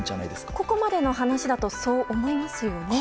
ここまでの話だとそう思いますよね。